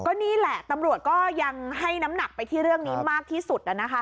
ก็นี่แหละตำรวจก็ยังให้น้ำหนักไปที่เรื่องนี้มากที่สุด